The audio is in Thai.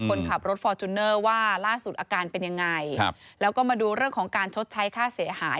คนขับรถฟอร์จูเนอร์ว่าล่าสุดอาการเป็นยังไงครับแล้วก็มาดูเรื่องของการชดใช้ค่าเสียหาย